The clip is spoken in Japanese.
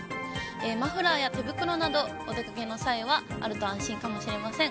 マフラーや手袋など、お出かけの際はあると安心かもしれません。